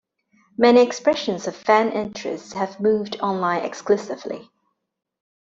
Many expressions of fan interest have moved online exclusively.